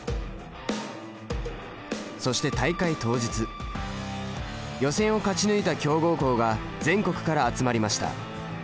そして予選を勝ち抜いた強豪校が全国から集まりました。